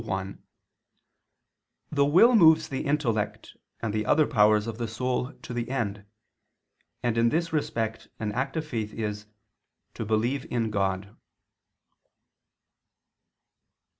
1) the will moves the intellect and the other powers of the soul to the end: and in this respect an act of faith is "to believe in God."